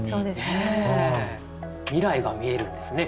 未来が見えるんですね